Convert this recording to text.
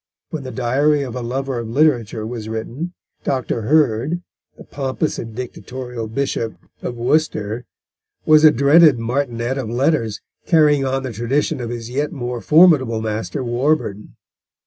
When The Diary of a Lover of Literature was written, Dr. Hurd, the pompous and dictatorial Bishop of Worcester, was a dreaded martinet of letters, carrying on the tradition of his yet more formidable master Warburton.